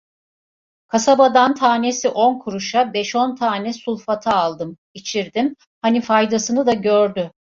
Kasabadan tanesi on kuruşa beş on tane sulfata aldım, içirdim, hani faydasını da gördü.